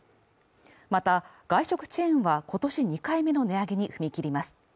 また外食チェーンは今年２回目の値上げに踏み切ります